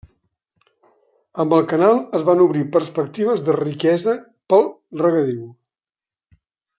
Amb el canal es van obrir perspectives de riquesa pel regadiu.